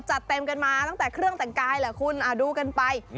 จัดเต็มกันมาตั้งแต่เครื่องแต่งกายแหละคุณดูกันไป